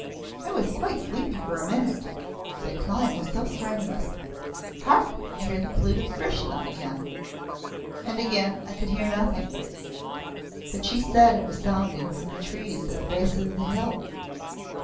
"I was quite sleepy for a minute. The climb was so strenuous. Hark I hear the Flute of Krishna again." And again I could hear nothing, but she said it was sounding from the trees at the base of the hill.